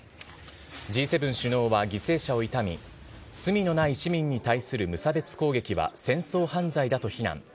Ｇ７首脳は犠牲者を悼み、罪のない市民に対する無差別攻撃は戦争犯罪だと非難。